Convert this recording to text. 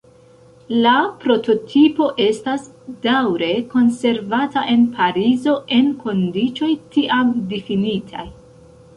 La prototipo estas daŭre konservata en Parizo, en kondiĉoj tiam difinitaj.